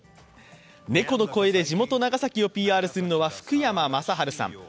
猫の声で地元・長崎をＰＲするのは福山雅治さん。